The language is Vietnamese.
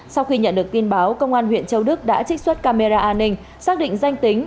sau khi nhận được tin báo công an huyện châu đức đã trích xuất camera an ninh xác định danh tính